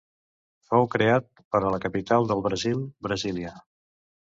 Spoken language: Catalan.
Fou creat per a la capital del Brasil, Brasília.